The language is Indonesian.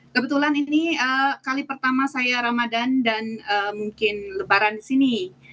kebetulan ini kali pertama saya ramadan dan mungkin lebaran di sini